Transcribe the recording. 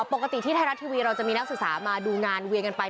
ปกติที่ไทยรัฐทีวีเราจะมีนักศึกษามาดูงานเวียนกันไป